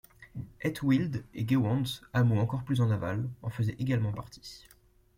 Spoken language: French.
Het Wild et Gewande, hameaux encore plus en aval, en faisaient également partie.